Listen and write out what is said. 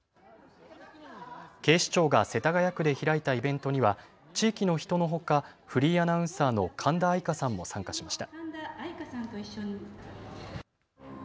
警視庁が世田谷区で開いたイベントには地域の人のほかフリーアナウンサーの神田愛花さんも参加しました。